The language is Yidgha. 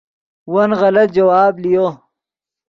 ون غلط جواب لیو